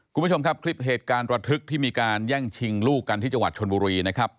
คุณผู้ชมครับคลิปเหตุการณ์ระทึกที่มีการแย่งชิงลูกกันที่จังหวัดชนบุรีนะครับ